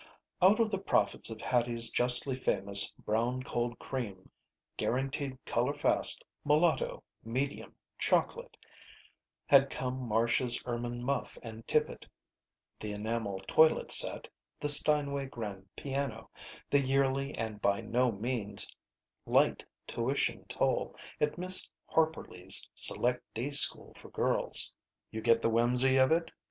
Out of the profits of Hattie's justly famous Brown Cold Cream Guaranteed Color fast Mulatto, Medium, Chocolate, had come Marcia's ermine muff and tippet; the enamel toilet set; the Steinway grand piano; the yearly and by no means light tuition toll at Miss Harperly's Select Day School for Girls. You get the whimsy of it?